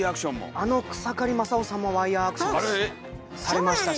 あの草刈正雄さんもワイヤーアクションされましたし。